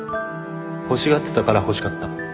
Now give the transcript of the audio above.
欲しがってたから欲しかった